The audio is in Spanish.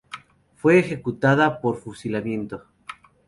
Fue ejecutada por fusilamiento.